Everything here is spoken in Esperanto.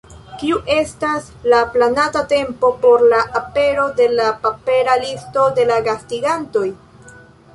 Kiu estas la planata tempo por la apero de la papera listo de gastigantoj?